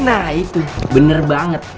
nah itu bener banget